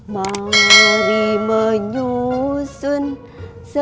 mari menyusun sroja